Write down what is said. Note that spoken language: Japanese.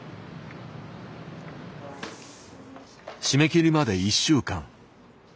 締め切りまで１週間。